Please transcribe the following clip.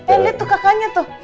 eh lihat tuh kakaknya tuh